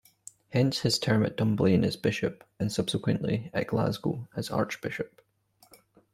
Hence his term at Dunblane as Bishop and subsequently at Glasgow as Archbishop.